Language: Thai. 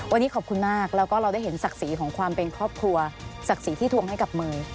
วันนี้ขอบคุณมากแล้วก็เราได้เห็นศักดิ์ศรีของความเป็นครอบครัวศักดิ์ศรีที่ทวงให้กับมือ